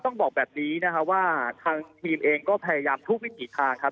ต้องบอกแบบนี้นะครับว่าทางทีมเองก็พยายามทุกวิถีทางครับ